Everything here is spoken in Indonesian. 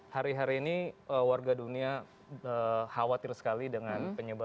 hari hari ini warga dunia khawatir sekali dengan penyebaran